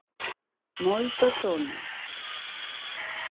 Moito sono...